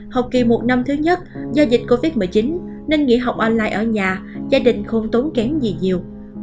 học kỳ một năm thứ nhất do dịch covid một mươi chín nên nghỉ học online ở nhà gia đình không tốn kém gì nhiều